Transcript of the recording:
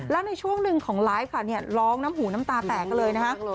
แล้วในช่วงหนึ่งของไลฟ์ค่ะเนี่ยร้องน้ำหูน้ำตาแตกกันเลยนะคะ